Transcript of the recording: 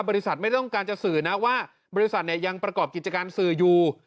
ไม่ต้องการจะสื่อนะว่าบริษัทยังประกอบกิจการสื่ออยู่